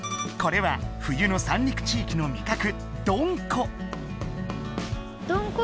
これは冬の三陸地域の味覚どんこ。